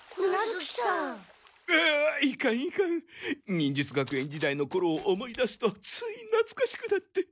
忍術学園時代のころを思い出すとついなつかしくなって。